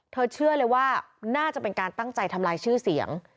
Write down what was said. เชื่อเลยว่าน่าจะเป็นการตั้งใจทำลายชื่อเสียง